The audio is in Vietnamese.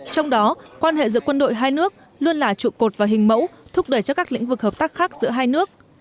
trong đó quan hệ giữa quân đội hai nước luôn là trụ cột và hình mẫu thúc đẩy cho các lĩnh vực hợp tác khác giữa hai nước